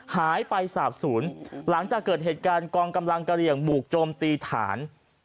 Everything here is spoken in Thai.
หายไปสาบศูนย์หลังจากเกิดเหตุการณ์กองกำลังกะเหลี่ยงบุกโจมตีฐาน